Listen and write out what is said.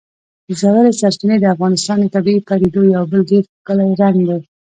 ژورې سرچینې د افغانستان د طبیعي پدیدو یو بل ډېر ښکلی رنګ دی.